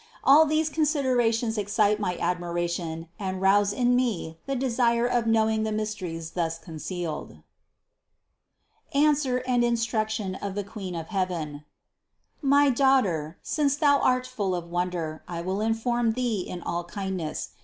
All these considerations excite my admiration and arouse in me the desire of knowing the mysteries thus concealed. THE CONCEPTION 285 ANSWER AND INSTRUCTION OF THE QUEEN OF HEAVEN. 355. My daughter, since thou art full of wonder, I will inform thee in all kindness.